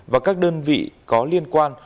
và các đơn vị có liên quan